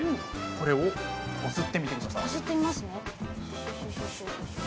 これを、こすってみてください。